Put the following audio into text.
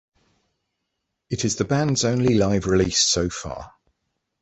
It is the band's only live release so far.